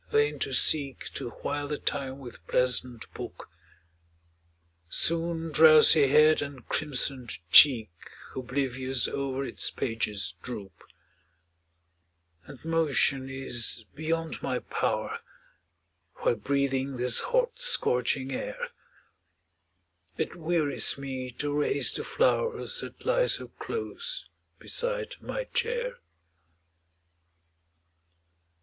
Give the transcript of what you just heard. vain to seek To while the time with pleasant book, Soon drowsy head and crimsoned cheek Oblivious o'er its pages droop And motion is beyond my power, While breathing this hot, scorching air, It wearies me to raise the flowers, That lie so close beside my chair.